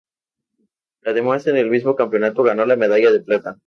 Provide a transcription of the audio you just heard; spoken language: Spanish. Además en el mismo campeonato ganó la medalla de plata.